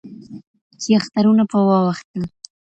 چـي اخترونـه پـه واوښـتــل.